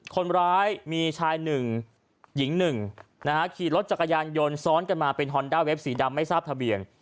คนร้ายมีชายหนึ่งหญิง๑นะฮะขี่รถจักรยานยนต์ซ้อนกันมาเป็นฮอนด้าเวฟสีดำไม่ทราบทะเบียน